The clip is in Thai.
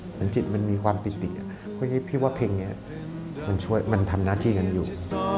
เหมือนจิตมันมีความปิติพี่ว่าเพลงนี้มันช่วยมันทำหน้าที่กันอยู่